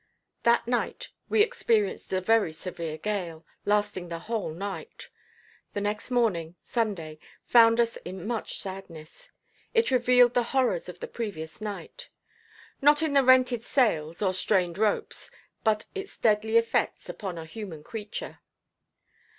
That night we experienced a very severe gale, lasting the whole night. The next morning, Sunday, found us in much sadness. It revealed the horrors of the previous night. Not in the rented sails or strained ropes, but its deadly effects upon a human creature.